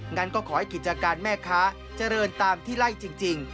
งั้นก็ขอให้กิจการแม่ค้าเจริญตามที่ไล่จริง